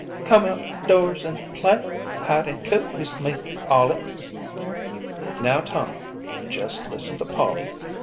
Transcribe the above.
" Come out doors and play hide an' coot wis me, Polly." " Now, Tommy, jest listen to Polly.